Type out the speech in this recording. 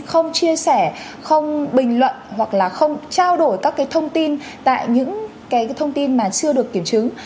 không chia sẻ không bình luận hoặc là không trao đổi các thông tin tại những thông tin mà chưa được kiểm chứng